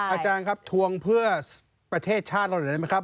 อาจารย์ครับทวงเพื่อประเทศชาติเราหน่อยได้ไหมครับ